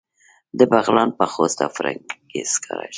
د بغلان په خوست او فرنګ کې سکاره شته.